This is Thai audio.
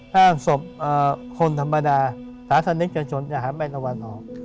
ถ้าฝังคนธรรมดาสาธารณิชย์ชนชนอย่าหาแม่นวรรณออก